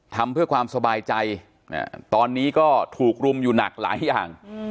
ทำเพื่อความสบายใจตอนนี้ก็ถูกรุมอยู่หนักหลายอย่าง